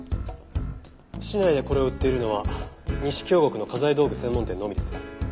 市内でこれを売っているのは西京極の画材道具専門店のみです。